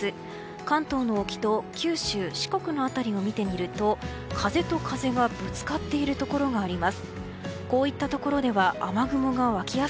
関東の隠岐と九州・四国の辺りを見てみると風と風がぶつかっているところがあります。